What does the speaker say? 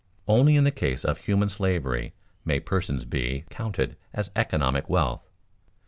Only in the case of human slavery may persons be counted as economic wealth.